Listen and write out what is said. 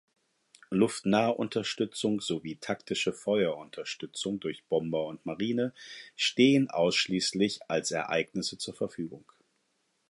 Luftnahunterstützung sowie taktische Feuerunterstützung durch Bomber und Marine stehen ausschließlich als Ereignisse zur Verfügung.